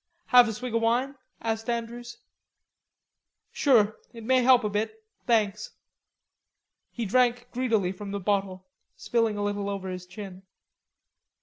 "Have a swig of wine?" asked Andrews. "Sure, it may set me up a bit; thanks." He drank greedily from the bottle, spilling a little over his chin.